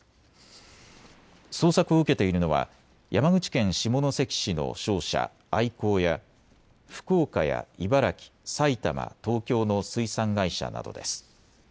捜索を受けているのは山口県下関市の商社、アイコーや福岡や茨城、埼玉、東京の水産会社などです。